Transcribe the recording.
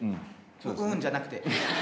「うん」じゃなくて。